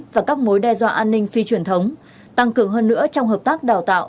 và các mối đe dọa an ninh phi truyền thống tăng cường hơn nữa trong hợp tác đào tạo